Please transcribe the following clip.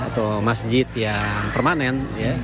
atau masjid yang permanen